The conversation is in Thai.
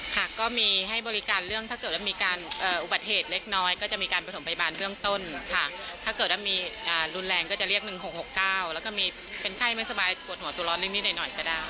ค่ะก็มีให้บริการเรื่องถ้าเกิดว่ามีการอุบัติเหตุเล็กน้อยก็จะมีการประถมพยาบาลเบื้องต้นค่ะถ้าเกิดว่ามีรุนแรงก็จะเรียก๑๖๖๙แล้วก็มีเป็นไข้ไม่สบายปวดหัวตัวร้อนนิดหน่อยก็ได้